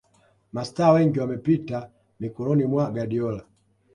Mastaa wengi wamepita mikononi mwa Guardiola